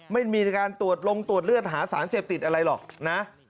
ไม่มีการตรวจลงตรวจเลือดหาสารเสพติดอะไรหรอกนะ